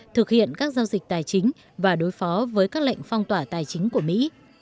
thực hiện các giao dịch tài chính và đối phó với các lệnh phong tỏa tài chính của mỹ